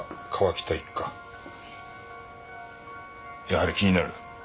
やはり気になる。